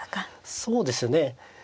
そうですねえ